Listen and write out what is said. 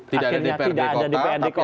tidak ada dprd kota